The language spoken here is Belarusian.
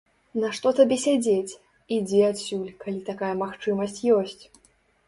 Нашто табе сядзець, ідзі адсюль, калі такая магчымасць ёсць.